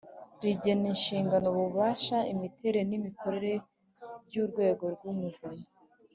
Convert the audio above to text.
rigena inshingano, ububasha, imiterere n’imikorere by'urwego rw'umuvunyi,